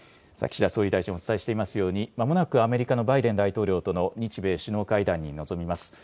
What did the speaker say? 岸田総理大臣、お伝えしていますようにまもなくアメリカのバイデン大統領との日米首脳会談に臨みます。